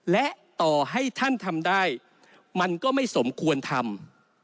และต่อให้ท่านทำได้มันก็ไม่สมควรทำ